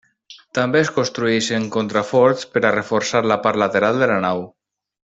També es construeixen contraforts per a reforçar la part lateral de la nau.